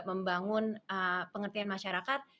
membangun pengertian masyarakat